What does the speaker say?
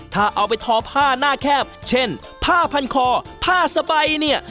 ถ้าเอาไปทอผ้าหน้าแคบเช่นผ้าพันคอผ้าสบายเนี่ย